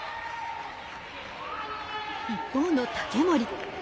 一方の竹守。